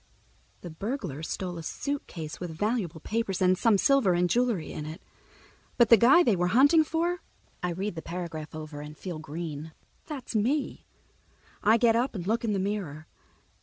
The burglar stole a suitcase with valuable papers and some silver and jewelry in it. But the guy they were hunting for—I read the paragraph over and feel green. That's me. I get up and look in the mirror.